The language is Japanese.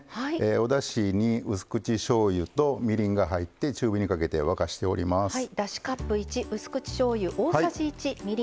おだしにうす口しょうゆとみりんが入って中火にかけて沸かしております。